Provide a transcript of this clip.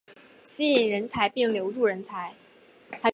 吸引人才并留住人才